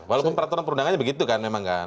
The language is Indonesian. walaupun peraturan perundangannya begitu kan memang kan